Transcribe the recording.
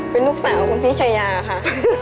เป็นลูกสาวคุณพี่ชายาค่ะ